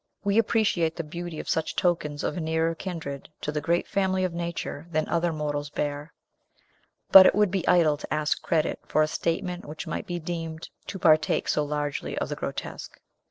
We appreciate the beauty of such tokens of a nearer kindred to the great family of nature than other mortals bear; but it would be idle to ask credit for a statement which might be deemed to partake so largely of the grotesque.